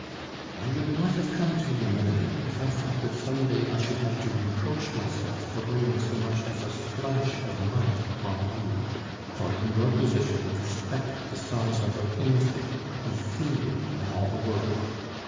"I would not have come to you, madame, if I thought that some day I should have to reproach myself for bringing so much as a splash of mud upon you, for in your position a speck the size of a pin's head is seen by all the world.